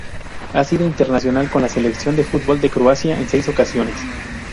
Ha sido internacional con la selección de fútbol de Croacia en seis ocasiones.